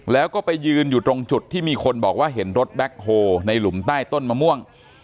แล้วก็ไปยืนอยู่ตรงจุดที่มีคนบอกว่าเห็นรถแบ็คโฮลในหลุมใต้ต้นมะม่วง